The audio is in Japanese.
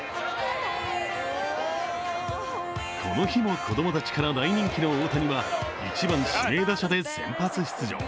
この日も子供たちから大人気の大谷は１番指名打者で先発出場。